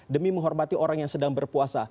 demi menghormati orang yang sedang berpuasa